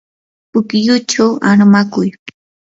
pukyuchaw armakuy.